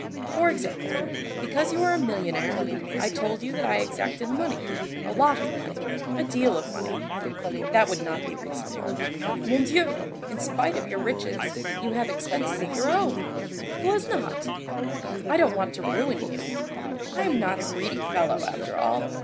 For example, because you are a millionnaire, I told you that I exacted money, a lot of money, a deal of money. That would not be reasonable. Mon Dieu, in spite of your riches, you have expenses of your own—who has not? I don't want to ruin you, I am not a greedy fellow, after all.